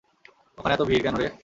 ওখানে এত ভীড় কেন রে?